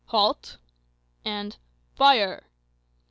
"Halt!" and "Fire!"